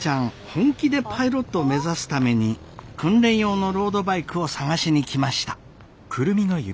本気でパイロットを目指すために訓練用のロードバイクを探しに来ました。